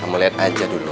kamu lihat aja dulu